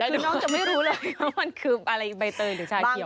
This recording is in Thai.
คือน้องจะไม่รู้เลยว่ามันคืออะไรใบเตอร์หรือชาเขียว